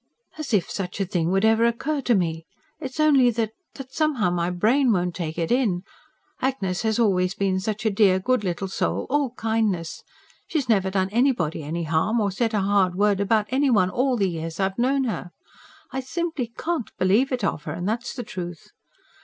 "As if such a thing would ever occur to me! It's only that ... that somehow my brain won't take it in. Agnes has always been such a dear good little soul, all kindness. She's never done anybody any harm or said a hard word about any one, all the years I've known her. I simply CAN'T believe it of her, and that's the truth.